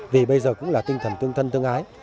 vì bây giờ cũng là tinh thần tương thân tương ái